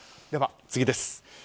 では次です。